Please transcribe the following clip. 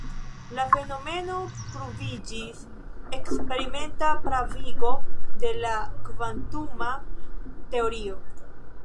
La fenomeno pruviĝis eksperimenta pravigo de la kvantuma teorio.